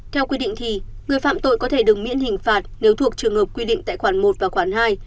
theo quy định thì người phạm tội có thể được miễn hình phạt nếu thuộc trường hợp quy định tại khoản một và khoản hai